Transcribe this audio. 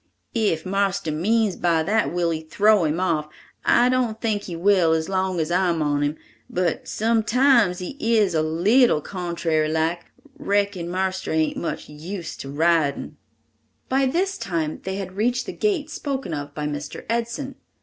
"If marster means by that will he throw him off, I don't think he will as long as I'm on him, but sometimes he is a leetle contrary like. Reckon marster ain't much used to ridin'." By this time they had reached the gate spoken of by Mr. Edson.